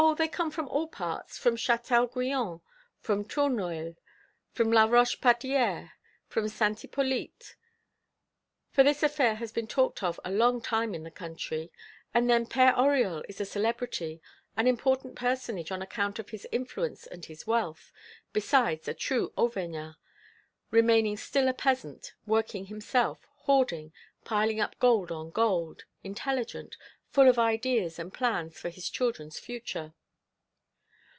they come from all parts, from Chatel Guyon, from Tournoel, from La Roche Pradière, from Saint Hippolyte. For this affair has been talked of a long time in the country, and then Père Oriol is a celebrity, an important personage on account of his influence and his wealth, besides a true Auvergnat, remaining still a peasant, working himself, hoarding, piling up gold on gold, intelligent, full of ideas and plans for his children's future."